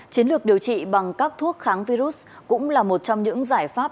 chiến lược điều trị bằng các thuốc kháng virus cũng là một trong những giải pháp